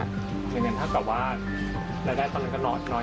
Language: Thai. อย่างเงี้ยถ้าเกราะว่าแล้วได้ตอนนั้นก็น้อยน้อยค่ะ